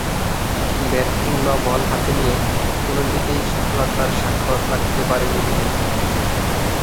Bat কিংবা ball হাতে নিয়ে কোনটিতেই সফলতার স্বাক্ষর রাখতে পারেননি তিনি।